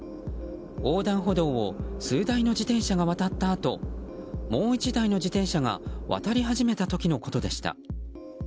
横断歩道を数台の自転車が渡ったあともう１台の自転車が渡り始めた時のことでした。